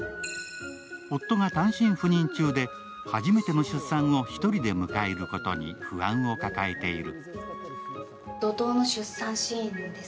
夫が単身赴任中で、初めての出産を１人で迎えることに不安を抱えている。